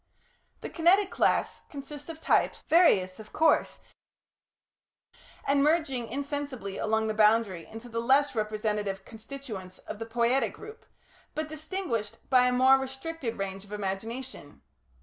The Kinetic class consists of types, various, of course, and merging insensibly along the boundary into the less representative constituents of the Poietic group, but distinguished by a more restricted range of imagination.